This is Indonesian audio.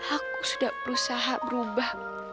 aku sudah berusaha berubah